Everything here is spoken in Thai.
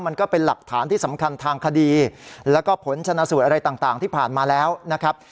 มันก็เป็นหลักฐานที่สำคัญทางคดีแล้วก็ผลชนะสูตรอะไรต่างที่ผ่านมาแล้วนะครับ